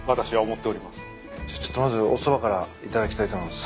ちょっとまずおそばから頂きたいと思います。